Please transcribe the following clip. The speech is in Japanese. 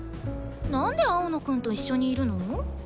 なんで青野くんと一緒にいるの？